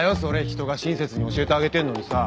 人が親切に教えてあげてんのにさ。